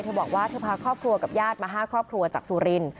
เธอบอกว่าเธอพาครอบครัวกับญาติมา๕ครอบครัวจากสุรินทร์